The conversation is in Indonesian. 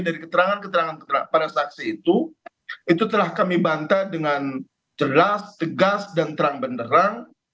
dari keterangan keterangan para saksi itu itu telah kami bantah dengan jelas tegas dan terang benderang